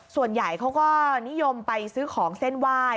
ส่วนใหญ่เขาก็นิยมไปซื้อของเส้นไหว้